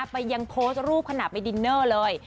ไปยังโพสต์รูปขณะไปดินเนอร์เลย